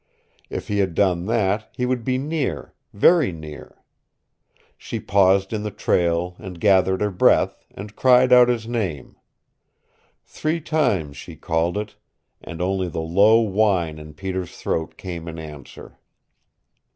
If he had done that he would be near, very near. She paused in the trail and gathered her breath, and cried out his name. Three times she called it, and only the low whine in Peter's throat came in answer.